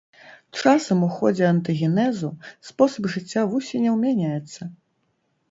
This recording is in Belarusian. Часам у ходзе антагенезу спосаб жыцця вусеняў мяняецца.